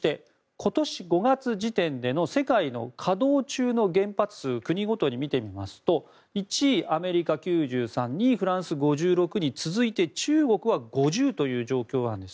今年５月時点での世界の稼働中の原発数国ごとに見てみますと１位、アメリカ９３２位、フランス５６に続いて中国は５０という状況なんです。